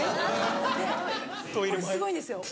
でこれすごいんですよ